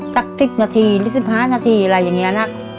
สักสิบนาที๑๘นาทีสักสิบห้านาที